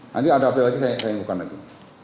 nanti ada update lagi saya inginkan lagi